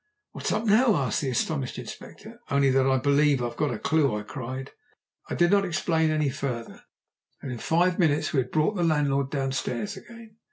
"What's up now?" asked the astonished Inspector. "Only that I believe I've got a clue," I cried. I did not explain any further, and in five minutes we had brought the landlord downstairs again.